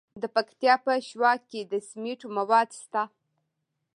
د پکتیا په شواک کې د سمنټو مواد شته.